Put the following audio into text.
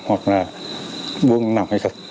hoặc là buông nỏng hay không